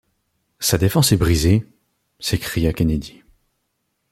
Sa défense est brisée! s’écria Kennedy.